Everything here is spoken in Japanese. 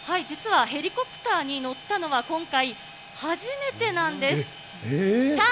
実はヘリコプターに乗ったのは、今回初めてなんです。